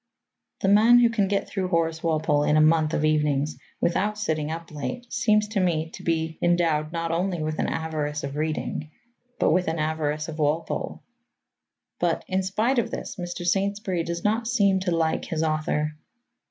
The man who can get through Horace Walpole in a month of evenings without sitting up late seems to me to be endowed not only with an avarice of reading, but with an avarice of Walpole. But, in spite of this, Mr. Saintsbury does not seem to like his author.